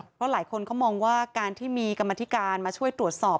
เพราะหลายคนเขามองว่าการที่มีกรรมธิการมาช่วยตรวจสอบ